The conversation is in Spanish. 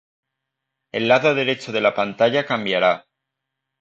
El lado derecho de la pantalla cambiará